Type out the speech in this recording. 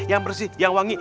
yang bersih yang wangi